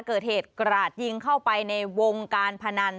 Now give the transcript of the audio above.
เกิดเหตุกราดยิงเข้าไปในวงการพนัน